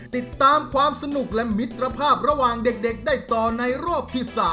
ติดตามความสนุกและมิตรภาพระหว่างเด็กได้ต่อในรอบที่๓